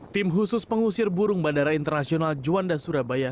tim khusus pengusir burung bandara internasional juanda surabaya